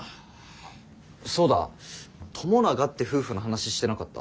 そうだ友永って夫婦の話してなかった？